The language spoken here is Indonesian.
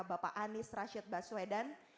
bapak anies rashid baswedan